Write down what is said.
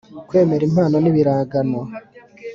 Kwemera impano n ibiragano